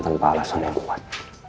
tanpa alasan yang kuat